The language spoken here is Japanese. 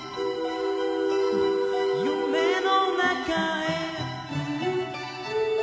「夢の中へ」